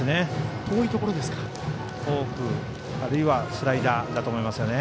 フォークあるいはスライダーだと思いますよね。